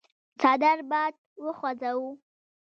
څادر باد وخوځاوه.